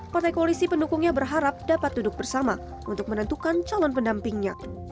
partai koalisi pendukungnya berharap dapat duduk bersama untuk menentukan calon pendampingnya